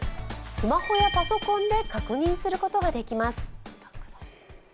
スマホやパソコンで確認することができます。